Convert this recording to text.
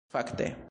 Fakte.